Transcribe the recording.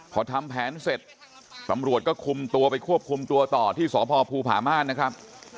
พอทำแผนเสร็จตำรวจก็คุมตัวไปควบคุมตัวต่อที่สพภูผาม่านนะครับ